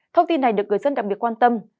thông tin này được người dân đặc biệt quan tâm